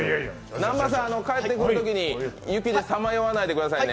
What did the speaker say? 南波さん、帰ってくるときに雪でさまよわないでくださいね。